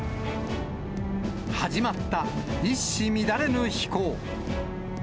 始まった一糸乱れぬ飛行。